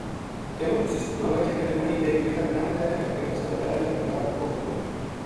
تیمم اسی صورت ما ہووے جے کدے پانی ایک میل تک نہ ملے یا پین وسطے ہووے یا بیمار ہون کو خطرو ہووے